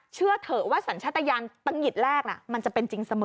เชื่อเถอะว่าสัญชาติยานตะหงิดแรกมันจะเป็นจริงเสมอ